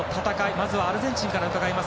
まずはアルゼンチンから伺います。